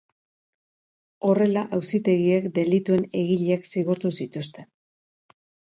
Horrela, auzitegiek delituen egileak zigortu zituzten.